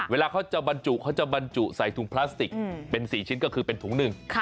เวลาเขาจะบรรจุเขาจะบรรจุใส่ถุงพลาสติกเป็น๔ชิ้นก็คือเป็นถุงหนึ่ง